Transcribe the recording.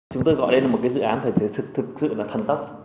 chúng tôi gọi đây là một dự án thực sự là thần tốc